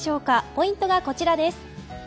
ポイントがこちらです。